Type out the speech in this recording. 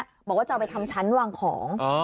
ถึงจะไปทำชั้นวางของ